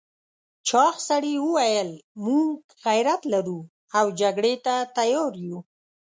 چاغ سړي وویل موږ غيرت لرو او جګړې ته تيار یو.